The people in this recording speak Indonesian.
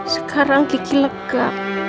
sekarang kiki lega